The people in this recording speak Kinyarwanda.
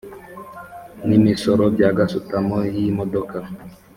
n imisoro bya gasutamo y imodoka